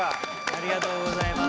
ありがとうございます。